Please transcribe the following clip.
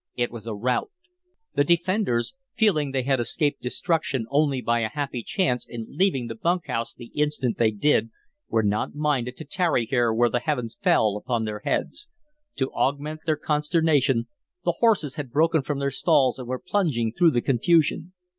It was a rout. The defenders, feeling they had escaped destruction only by a happy chance in leaving the bunk house the instant they did, were not minded to tarry here where the heavens fell upon their heads. To augment their consternation, the horses had broken from their stalls and were plunging through the confusion.